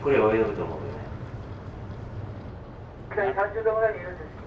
左３０度ぐらいにいるんです。